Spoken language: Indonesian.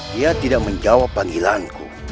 dia tidak menjawab panggilanku